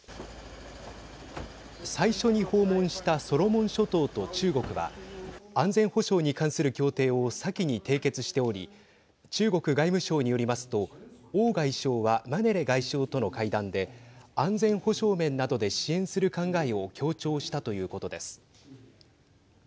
最初に訪問したソロモン諸島と中国は安全保障に関する協定を先に締結しており中国外務省によりますと王外相は、マネレ外相との会談で安全保障面などで支援する考えを強調したということです。